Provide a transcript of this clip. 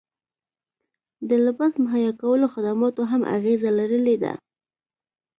د لباس مهیا کولو خدماتو هم اغیزه لرلې ده